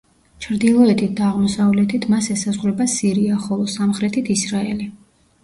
ჩრდილოეთით და აღმოსავლეთით მას ესაზღვრება სირია, ხოლო სამხრეთით ისრაელი.